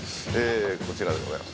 こちらでございます。